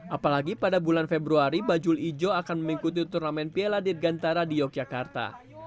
apalagi pada bulan februari bajul ijo akan mengikuti turnamen piala dirgantara di yogyakarta